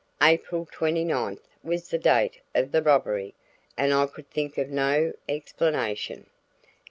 April twenty ninth was the date of the robbery, and I could think of no explanation.